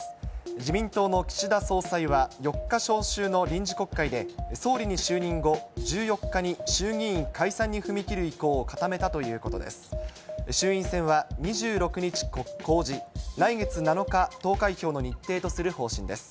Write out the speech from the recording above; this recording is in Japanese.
自民党の岸田総裁は、４日召集の臨時国会で、総理に就任後１４日に衆議院解散に踏み切る意向を固めたということです。